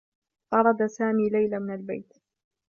طرد سامي ليلى من البيت.